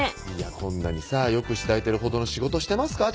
こんなによくして頂いてるほどの仕事してますか？